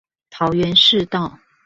桃園市道